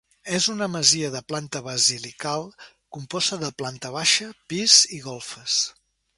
És una masia de planta basilical composta de planta baixa, pis i golfes.